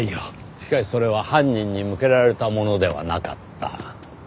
しかしそれは犯人に向けられたものではなかった。